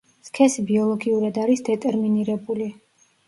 სქესი ბიოლოგიურად არის დეტერმინირებული.